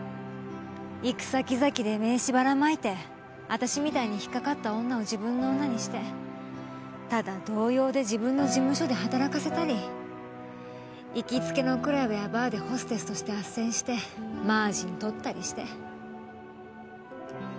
行く先々で名刺ばらまいて私みたいに引っかかった女を自分の女にしてタダ同様で自分の事務所で働かせたりいきつけのクラブやバーでホステスとして斡旋してマージン取ったりして。